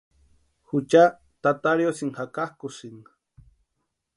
Jucha tata riosïni jakakʼusïnka.